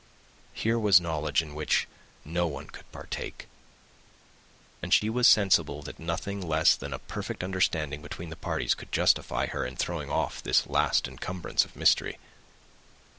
Here was knowledge in which no one could partake; and she was sensible that nothing less than a perfect understanding between the parties could justify her in throwing off this last encumbrance of mystery.